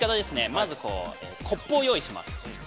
まず、コップを用意します。